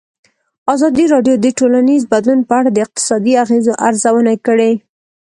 ازادي راډیو د ټولنیز بدلون په اړه د اقتصادي اغېزو ارزونه کړې.